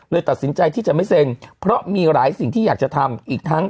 ตัดสินใจที่จะไม่เซ็นเพราะมีหลายสิ่งที่อยากจะทำอีกทั้ง